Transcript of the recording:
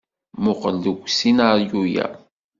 Muqel deg usinaryu-ya.